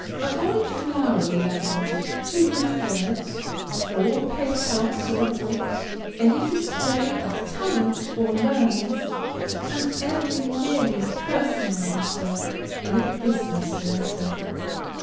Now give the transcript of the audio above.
Avoid flowery language, too many words, all pathos or wit, any display of talent or learning, and every merely personal matter, in a business letter.